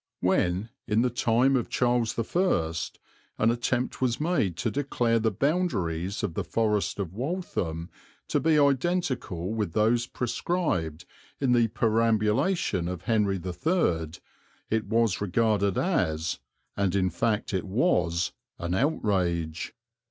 When, in the time of Charles I, an attempt was made to declare the boundaries of the Forest of Waltham to be identical with those prescribed in the perambulation of Henry III, it was regarded as, and in fact it was, an outrage.